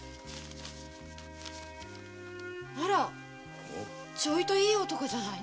あらちょいといい男じゃない。